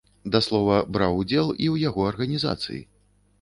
Да слова, браў удзел і ў яго арганізацыі.